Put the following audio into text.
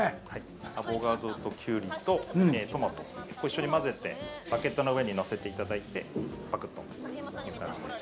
アボカドとキュウリとトマトを一緒に混ぜてバゲットの上にのせていただいてぱくっと。